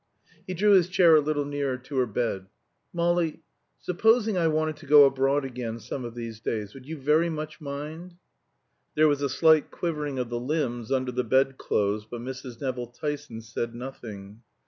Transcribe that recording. He drew his chair a little nearer to her bed. "Molly supposing I wanted to go abroad again some of these days, would you very much mind?" There was a slight quivering of the limbs under the bedclothes, but Mrs. Nevill Tyson said nothing.